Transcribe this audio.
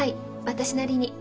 私なりに。